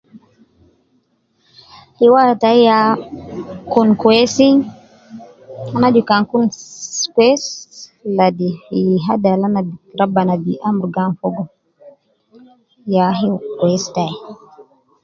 Riwaya tai ya kun kwesi, ana aju kan kun kwesi ladi fi hadi al ana bi rabbana bi amurugu ana fogo ya kwesi tai